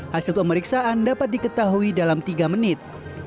hasil pemeriksaan dapat diketahui dalam tiga menit